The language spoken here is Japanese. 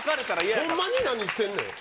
ほんまに何してんねん。